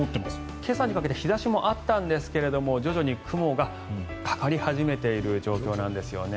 今朝にかけて日差しもあったんですけれども徐々に雲がかかり始めている状況なんですよね。